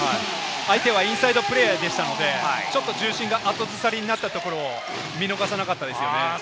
相手はインサイドプレーでしたので、ちょっと重心が後ずさりになったところを見逃さなかったですよね。